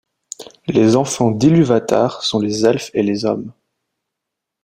Les Enfants d'Ilúvatar dont les Elfes et les Hommes.